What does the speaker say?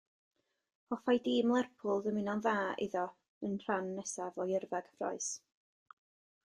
Hoffai dîm Lerpwl ddymuno'n dda iddo yn rhan nesaf o'i yrfa gyffrous.